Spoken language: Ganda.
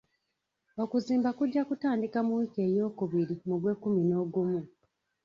Okuzimba kujja kutandika mu wiiki eyookubiri mu gw'ekkumi n'ogumu.